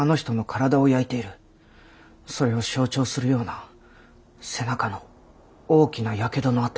それを象徴するような背中の大きな火傷の痕。